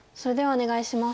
お願いします。